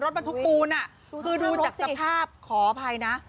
ทุกปูนอ่ะคือดูจากสภาพขออภัยนะ